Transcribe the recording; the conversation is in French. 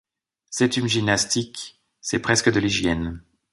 C’est une gymnastique ; c’est presque de l’hygiène.